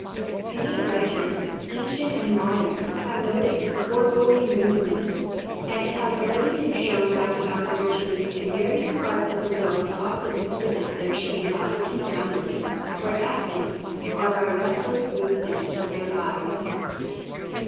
Many writers, ancient and modern, have noticed the foregoing movements; and it has already been shown that the aborigines in various parts of the world often exhibit their shame by looking downwards or askant, or by restless movements of their eyes.